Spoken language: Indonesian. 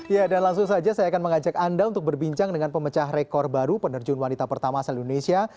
ya dan langsung saja saya akan mengajak anda untuk berbincang dengan pemecah rekor baru penerjun wanita pertama asal indonesia